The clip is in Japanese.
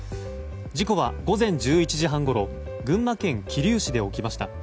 事故は午前１１時半ごろ群馬県桐生市で起きました。